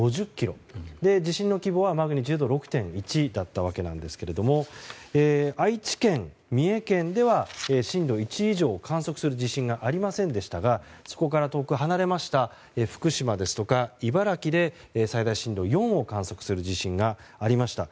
地震の規模はマグニチュード６．１だったんですが愛知県、三重県では震度１以上を観測する地震がありませんでしたがそこから遠く離れました福島ですとか茨城で、最大震度４を観測する地震がありました。